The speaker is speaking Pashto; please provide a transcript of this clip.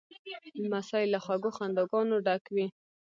لمسی له خوږو خنداګانو ډک وي.